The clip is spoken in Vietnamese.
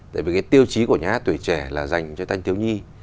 tại vì cái tiêu chí của nhà hát tuổi trẻ là dành cho thanh thiếu nhi